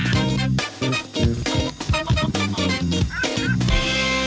สวัสดีค่ะ